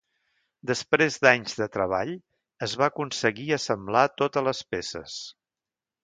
Després d'anys de treball es va aconseguir assemblar totes les peces.